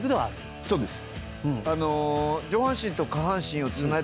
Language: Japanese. そうです。